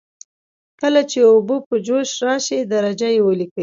کله چې اوبه په جوش راشي درجه یې ولیکئ.